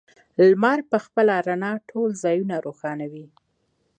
لمر په خپله رڼا ټول ځایونه روښانوي.